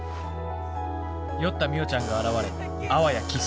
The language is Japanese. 酔ったみよちゃんが現れあわやキス？